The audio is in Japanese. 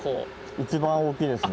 一番大きいですね。